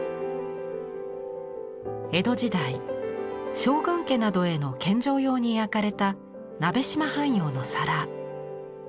江戸時代将軍家などへの献上用に焼かれた鍋島藩窯の皿。